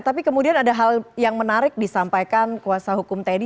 tapi kemudian ada hal yang menarik disampaikan kuasa hukum teddy